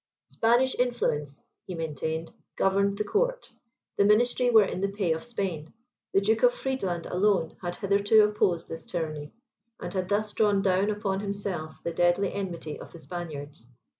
"Spanish influence," he maintained, "governed the court; the ministry were in the pay of Spain; the Duke of Friedland alone had hitherto opposed this tyranny, and had thus drawn down upon himself the deadly enmity of the Spaniards.